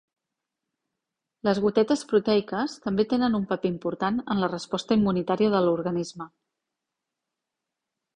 Les gotetes proteiques també tenen un paper important en la resposta immunitària de l'organisme.